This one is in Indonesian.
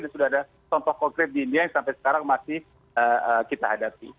sudah ada contoh konkret di india yang sampai sekarang masih kita hadapi